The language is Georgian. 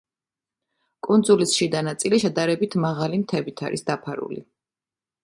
კუნძულის შიდა ნაწილი შედარებით მაღალი მთებით არის დაფარული.